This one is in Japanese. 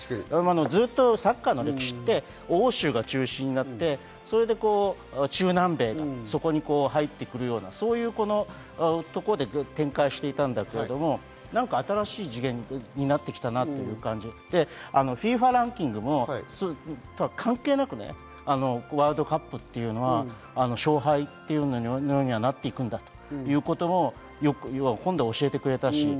ずっとサッカーの歴史は欧州が中心で、そして中南米が入ってくるようなそういうところで展開していたんだけれども、新しい次元になってきたなという感じがして、ＦＩＦＡランキングも関係なくワールドカップというのは勝敗になっていくんだということも教えてくれたし。